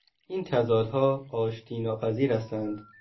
این تضادها آشتیناپذیر هستند.